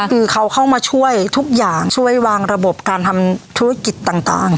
คือเขาเข้ามาช่วยทุกอย่างช่วยวางระบบการทำธุรกิจต่าง